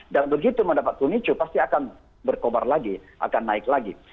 dan begitu mendapat punicu pasti akan berkobar lagi akan naik lagi